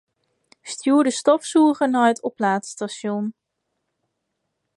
Stjoer de stofsûger nei it oplaadstasjon.